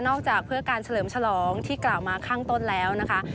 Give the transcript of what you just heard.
จากเพื่อการเฉลิมฉลองที่กล่าวมาข้างต้นแล้วนะคะ